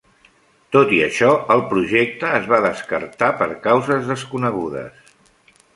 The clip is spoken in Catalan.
Tot i això, el projecte es va descartar per causes desconegudes.